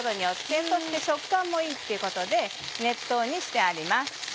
そして食感もいいっていうことで熱湯にしてあります。